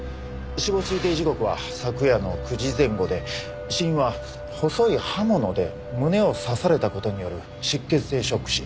死亡推定時刻は昨夜の９時前後で死因は細い刃物で胸を刺された事による出血性ショック死。